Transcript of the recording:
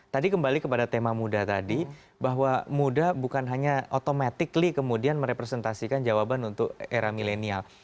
tadi kembali kepada tema muda tadi bahwa muda bukan hanya automatically kemudian merepresentasikan jawaban untuk era milenial